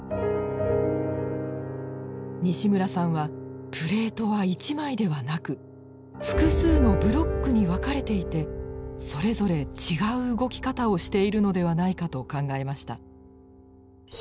西村さんはプレートは１枚ではなく複数のブロックに分かれていてそれぞれ違う動き方をしているのではないかと考えました。